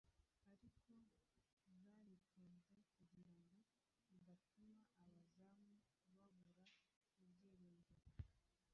ariko zaritonze kugira ngo zidatuma abazumva babura ibyiringiro.